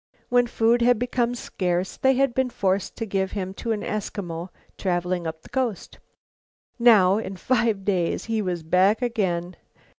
When food had become scarce, they had been forced to give him to an Eskimo traveling up the coast. Now, in five days he was back again.